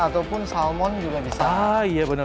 atau salmon juga bisa